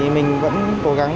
mình vẫn cố gắng